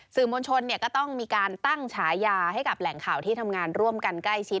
มวลชนก็ต้องมีการตั้งฉายาให้กับแหล่งข่าวที่ทำงานร่วมกันใกล้ชิด